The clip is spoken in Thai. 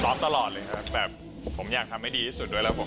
ตลอดเลยครับแบบผมอยากทำให้ดีที่สุดด้วยแล้วผม